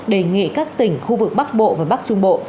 đề nghị các tỉnh khu vực bắc bộ và bắc trung bộ